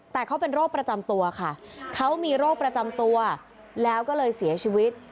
แต่เขาเป็นโรคประจำตัวค่ะเขามีโรคประจำตัวแล้วก็เลยเสียชีวิต